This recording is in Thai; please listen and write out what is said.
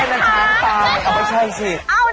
ไม่ใช่นักชาญตา